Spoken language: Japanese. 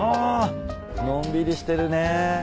のんびりしてるね。